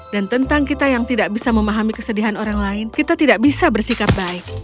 dan tentang kita yang tidak bisa memahami kesedihan orang lain kita tidak bisa bersikap baik